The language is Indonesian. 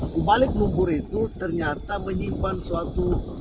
kembali ke lumpur itu ternyata menyimpan suatu